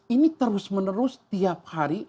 ini terus menerus tiap hari